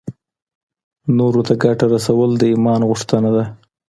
نورو ته ګټه رسول د ایمان غوښتنه ده.